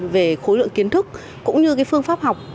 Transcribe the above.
về khối lượng kiến thức cũng như cái phương pháp học